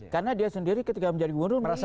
karena dia sendiri ketika menjadi gubernur merasa